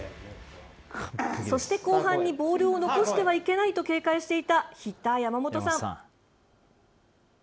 そして、後半にボールを残してはいけないと警戒していたヒッター山本さん。